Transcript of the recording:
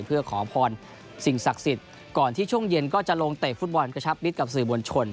เพื่อขอพรสิ่งศักดิ์สิทธิ์ก่อนที่ช่วงเย็นก็จะลงเตะฟุตบอลกระชับมิตรกับสื่อมวลชน